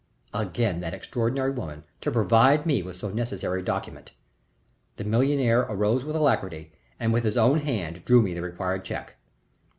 Again that extraordinary woman, to provide me with so necessary a document! The millionaire rose with alacrity and with his own hand drew me the required check.